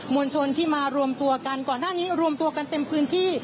วลชนที่มารวมตัวกันก่อนหน้านี้รวมตัวกันเต็มพื้นที่